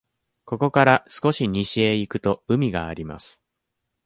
ここから少し西へ行くと、海があります。